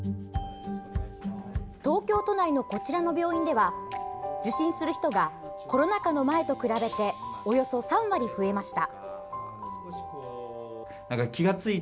東京都内のこちらの病院では受診する人がコロナ禍の前と比べておよそ３割増えました。